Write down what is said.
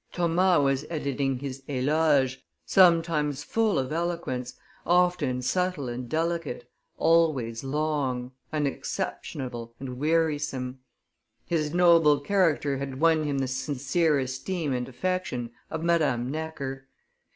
Thomas was editing his Eloges, sometimes full of eloquence, often subtle and delicate, always long, unexceptionable, and wearisome. His noble character had won him the sincere esteem and affection of Madame Necker.